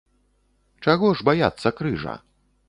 Чаго ж баяцца крыжа?